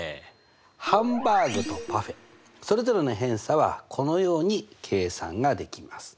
ハンバーグとパフェそれぞれの偏差はこのように計算ができます。